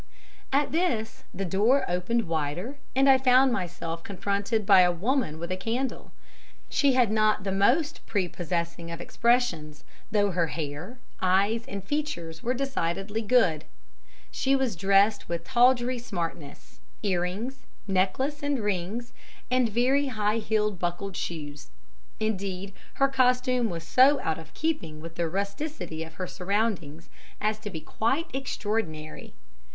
"At this the door opened wider, and I found myself confronted by a woman with a candle. She had not the most prepossessing of expressions, though her hair, eyes and features were decidedly good. She was dressed with tawdry smartness earrings, necklace, and rings, and very high heeled buckle shoes. Indeed, her costume was so out of keeping with the rusticity of her surroundings as to be quite extraordinary.